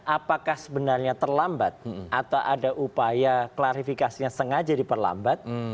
apakah sebenarnya terlambat atau ada upaya klarifikasinya sengaja diperlambat